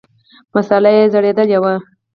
مساله یې څېړلې وي.